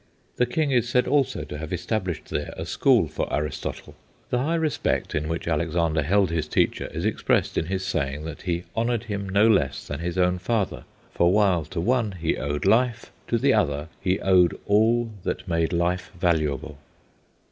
The king is said also to have established there a school for Aristotle. The high respect in which Alexander held his teacher is expressed in his saying that he honoured him no less than his own father, for while to one he owed life, to the other he owed all that made life valuable.